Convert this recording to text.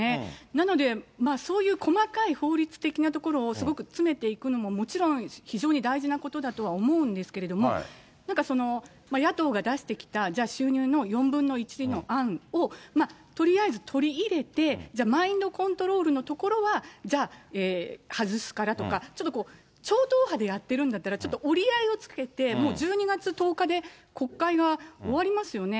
なので、そういう細かい法律的なところをすごく詰めていくのももちろん、非常に大事なことだとは思うんですけれども、なんかその野党が出してきたじゃあ、収入の４分の１の案をとりあえず取り入れて、じゃあ、マインドコントロールのところはじゃあ、外すからとか、ちょっと超党派でやってるんだったら、ちょっと折り合いをつけて、もう１２月１０日で国会が終わりますよね。